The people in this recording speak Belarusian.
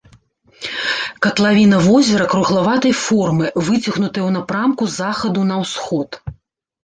Катлавіна возера круглаватай формы, выцягнутая ў напрамку захаду на ўсход.